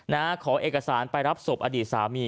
ขอเอกสารไปรับศพอดีตสามี